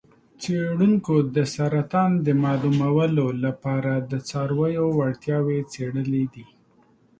څیړونکو د سرطان د معلومولو لپاره د څارویو وړتیاوې څیړلې دي.